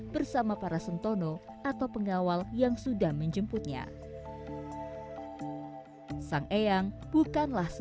selamat datang di demak